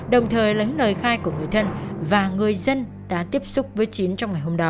đồng thời lấy lời khai của người thân và người dân đã tiếp xúc với chín trong ngày hôm đó